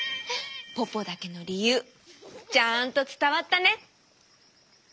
ポポだけのりゆうちゃんとつたわったね。